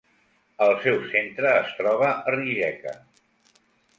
El seu centre es troba a Rijeka.